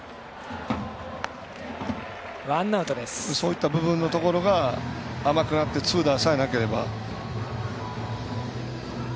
そういった部分のところが甘くなって痛打さえなければ。